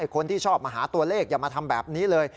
คนที่ชอบมาหาตัวเลขอย่ามาทำแบบนี้เลย